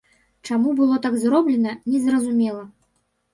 Чаму было так зроблена, незразумела.